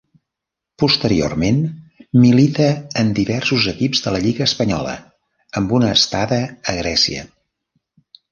Posteriorment milita en diversos equips de la lliga espanyola, amb una estada a Grècia.